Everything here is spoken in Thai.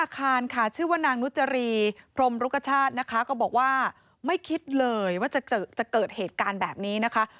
เกิดเหตุการณ์แบบนี้นะคะ